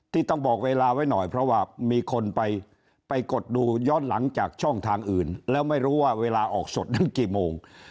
ต้องบอกเวลาไว้หน่อยเพราะว่ามีคนไปกดดูย้อนหลังจากช่องทางอื่นแล้วไม่รู้ว่าเวลาออกสดนั้นกี่โมง